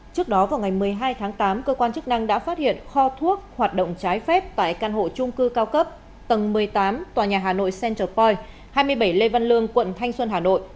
trước đó vào ngày một mươi hai tháng tám cơ quan chức năng đã phát hiện kho thuốc hoạt động trái phép tại căn hộ trung cư cao cấp tầng một mươi tám tòa nhà hà nội central poi hai mươi bảy lê văn lương quận thanh xuân hà nội